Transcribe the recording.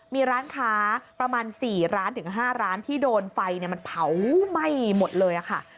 มีร้านค้าประมาณ๔ร้านถึง๕ร้านที่โดนไฟมันเผาไหม้หมดเลยค่ะ